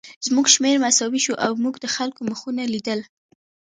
زموږ شمېر مساوي شو او موږ د خلکو مخونه لیدل